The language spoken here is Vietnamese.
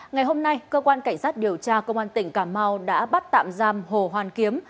ngày hôm nay cơ quan cảnh sát điều tra công an tỉnh cà mau đã bắt tạm giam hồ hoàn kiếm